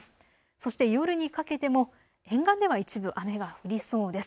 そして夜にかけても沿岸では一部、雨が降りそうです。